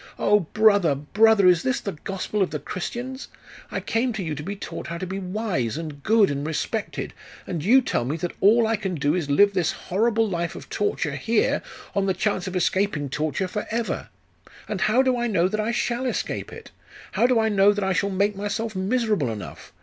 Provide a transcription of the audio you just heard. Oh! brother, brother, is this the Gospel of the Christians? I came to you to be taught how to be wise, and good, and respected, and you tell me that all I can do is to live this horrible life of torture here, on the chance of escaping torture forever! And how do I know that I shall escape it? How do I know that I shall make myself miserable enough?